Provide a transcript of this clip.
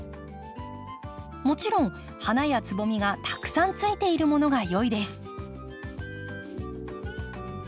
もちろん花やつぼみがたくさんついているものがよいです。